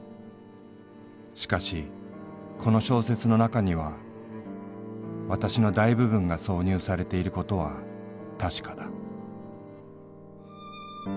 しかしこの小説のなかには私の大部分が挿入されていることは確かだ」。